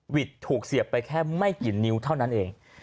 ถูกเสียบไปแค่ไม่กี่นิ้วเท่านั้นเอง